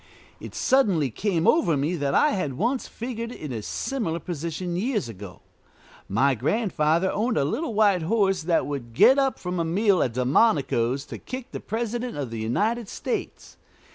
It suddenly came over me that I had once figured in a similar position years ago. My grandfather owned a little white horse that would get up from a meal at Delmonico's to kick the President of the United States.